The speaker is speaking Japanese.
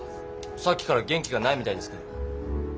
さっきから元気がないみたいですけど。